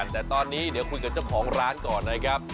แต่ตอนนี้เดี๋ยวคุยกับเจ้าของร้านก่อนนะครับ